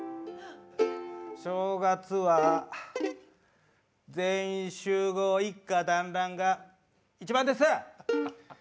正月は全員集合一家だんらんが一番です！